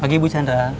pagi bu chandra